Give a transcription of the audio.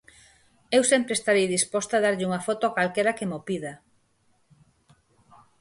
Eu sempre estarei disposta a darlle unha foto a calquera que mo pida.